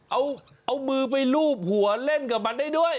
แล้วดูดิเอามือไปลูบหัวเล่นกับมันได้ด้วย